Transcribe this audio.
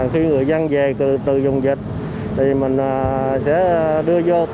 khi người dân về từ dùng dịch thì mình sẽ đưa vô tích